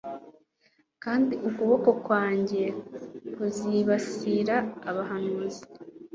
Kandi ukuboko kwanjye kuzibasira abahanuzi